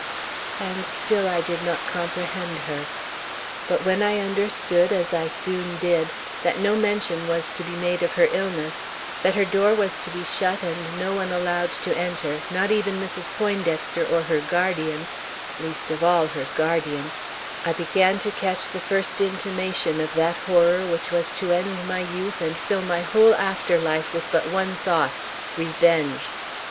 And still I did not comprehend her. But when I understood, as I soon did, that no mention was to be made of her illness; that her door was to be shut and no one allowed to enter, not even Mrs. Poindexter or her guardian least of all, her guardian I began to catch the first intimation of that horror which was to end my youth and fill my whole after life with but one thought revenge.